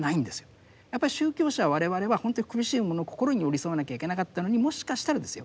やっぱり宗教者我々はほんとは苦しい者の心に寄り添わなきゃいけなかったのにもしかしたらですよ